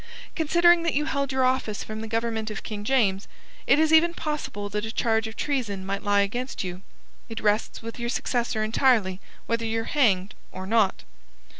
Considering that you held your office from the Government of King James, it is even possible that a charge of treason might lie against you. It rests with your successor entirely whether ye're hanged or not."